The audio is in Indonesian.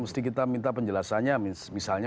mesti kita minta penjelasannya misalnya